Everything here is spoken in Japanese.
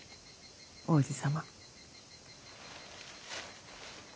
王子様。